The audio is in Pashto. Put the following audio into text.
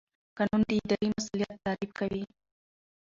قانون د اداري مسوولیت تعریف کوي.